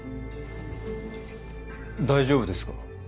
大丈夫ですか？